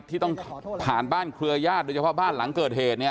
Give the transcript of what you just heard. ที่ต้องผ่านบ้านเครือญาติโดยเฉพาะบ้านหลังเกิดเหตุเนี่ย